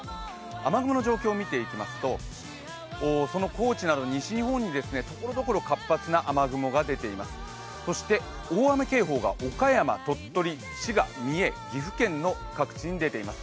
雨雲の状況を見ていきますと、高知など西日本にところどころ活発な雨雲が出ています、そして大雨警報は岡山、鳥取、滋賀、三重、岐阜県の各地に出ています。